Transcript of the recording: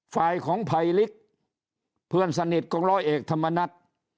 ฝ่ายของภัยลิกเพื่อนสนิทของร้อยเอกธรรมนัฐ